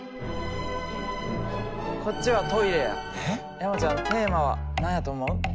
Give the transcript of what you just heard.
山ちゃんテーマは何やと思う？